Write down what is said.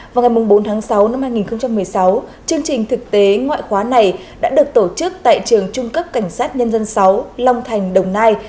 vào ngày bốn tháng sáu năm hai nghìn một mươi sáu chương trình thực tế ngoại khóa này đã được tổ chức tại trường trung cấp cảnh sát nhân dân sáu long thành đồng nai